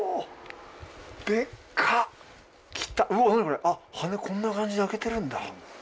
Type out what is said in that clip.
何これ羽こんな感じで開けてるんだ。